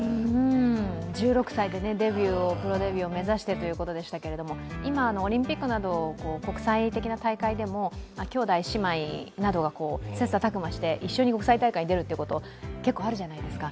１６歳でプロデビューを目指してということでしたけれども、今、オリンピックなど国際的な大会でも兄弟、姉妹などが切磋琢磨して一緒に国際大会に出るということ結構あるじゃないですか。